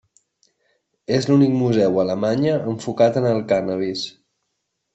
És l'únic museu a Alemanya enfocat en el cànnabis.